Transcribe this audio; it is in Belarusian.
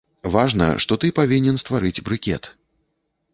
Важна, што ты павінен стварыць брыкет.